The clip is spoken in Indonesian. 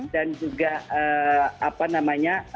dan juga apa namanya